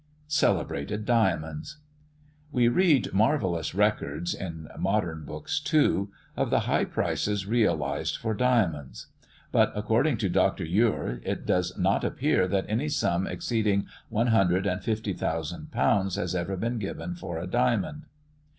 CELEBRATED DIAMONDS. We read marvellous records, (in modern books, too,) of the high prices realized for diamonds; but according to Dr. Ure, "it does not appear that any sum exceeding one hundred and fifty thousand pounds has ever been given for a diamond."